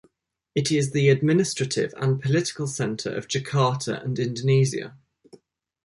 It is the administrative and political center of Jakarta and Indonesia.